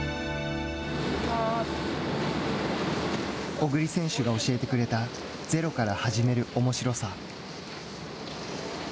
小栗選手が教えてくれた「ゼロから始めるおもしろさ」。